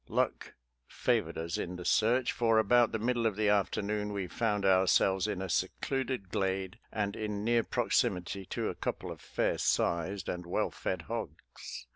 Luck favored us in the search, for about the middle of the afternoon we found ourselves in a secluded glade and in near proximity to a couple of fair sized and well fed hogs.